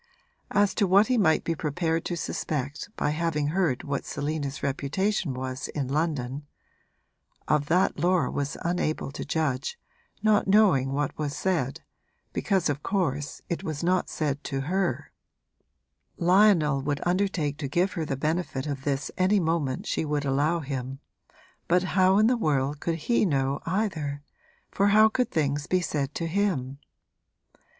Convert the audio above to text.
As to what he might be prepared to suspect by having heard what Selina's reputation was in London, of that Laura was unable to judge, not knowing what was said, because of course it was not said to her. Lionel would undertake to give her the benefit of this any moment she would allow him, but how in the world could he know either, for how could things be said to him?